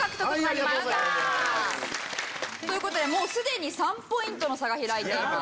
やったー！という事でもうすでに３ポイントの差が開いています。